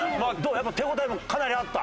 やっぱ手応えもかなりあった？